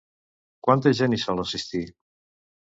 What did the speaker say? Quanta gent hi sol assistir?